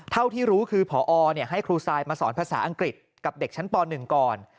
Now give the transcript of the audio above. เท่าที่รู้คือพอให้ครูซายมาสอนภาษาอังกฤษกับเด็กชั้นป๑ก่อน